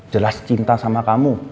jelas cinta sama kamu